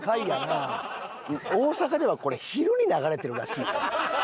大阪ではこれ昼に流れてるらしいで。